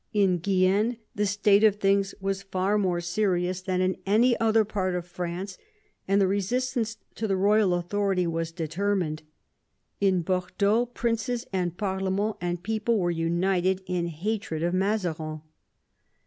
In Guienne the state of things was far more serious VI THE CLOSE OF THE FRONDE 111 than in any other part of France, and the resistance to the royal authority more determined. In Bordeaux princes and parlement and people were united in hatred of Mazarin.